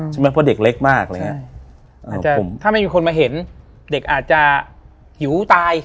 ใช่ไหมเพราะเด็กเล็กมากถ้าไม่มีคนมาเห็นเด็กอาจจะหิวตาย